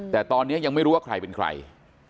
แต่ตอนนี้ยังไม่รู้ว่าใครเป็นใคร